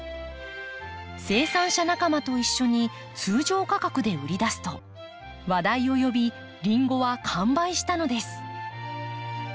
生産者仲間と一緒に通常価格で売り出すと話題を呼びリンゴは完売したのです。